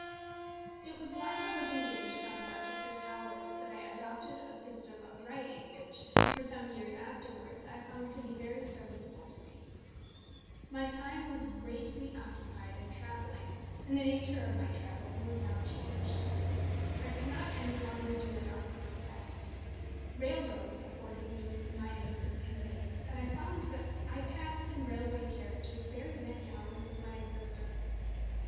It was while I was engaged on Barchester Towers that I adopted a system of writing which, for some years afterwards, I found to be very serviceable to me. My time was greatly occupied in travelling, and the nature of my travelling was now changed. I could not any longer do it on horseback. Railroads afforded me my means of conveyance, and I found that I passed in railway carriages very many hours of my existence.